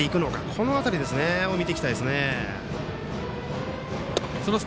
この辺り見ていきたいですね。